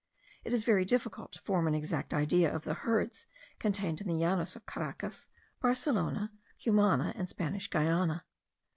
It is very difficult to form an exact idea of the herds contained in the Llanos of Caracas, Barcelona, Cumana, and Spanish Guiana.